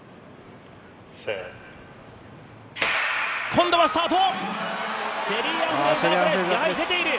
今度はスタート！